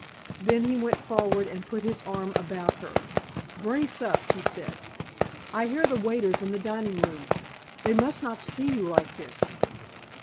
Then he went forward and put his arm about her. "Brace up," he said. "I hear the waiters in the dining room. They must not see you like this.